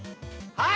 はい！